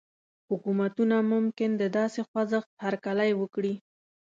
حکومتونه ممکن د داسې خوځښت هرکلی وکړي.